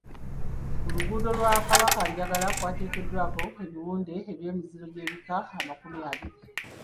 Ku luguudo lwa Kabakanjagala kwakateekebwako ebiwunde by’emiziro gy'ebika amakumi abiri.